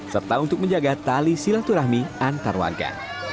serta untuk menjaga tali silaturahmi antar warga